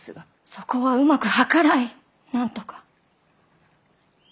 そこはうまく計らいなんとか。